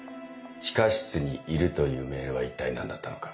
「地下室にいる」というメールは一体何だったのか。